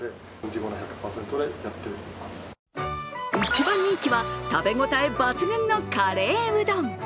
一番人気は食べ応え抜群のカレーうどん。